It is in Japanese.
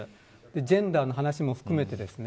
ジェンダーの話も含めて